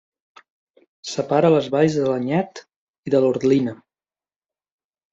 Separa les valls de l'Anyet i de l'Orlina.